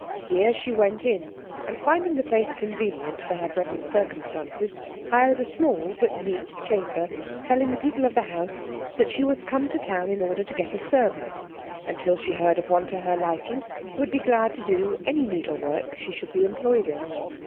Here she went in, and finding the place convenient for her present circumstances, hired a small, but neat chamber, telling the people of the house that she was come to town in order to get a service, and till she heard of one to her liking, would be glad to do any needle work she should be employed in.